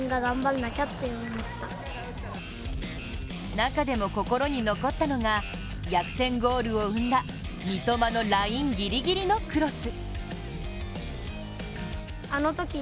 中でも心に残ったのが逆転ゴールを生んだ三笘のラインギリギリのクロス。